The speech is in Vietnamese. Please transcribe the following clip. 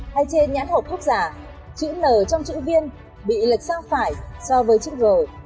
hay trên nhãn hộp thuốc giả chữ n trong chữ viên bị lệch sang phải so với chữ g